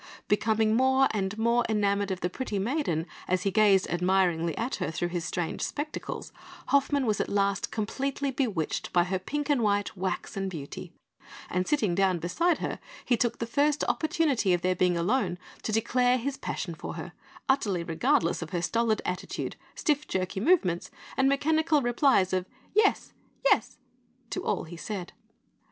Becoming more and more enamoured of the pretty "maiden," as he gazed admiringly at her through his strange spectacles, Hoffmann was at last completely bewitched by her pink and white waxen beauty; and sitting down beside her, he took the first opportunity of their being alone to declare his passion for her, utterly regardless of her stolid attitude, stiff, jerky movements and mechanical replies of "Yes! Yes!" to all he said.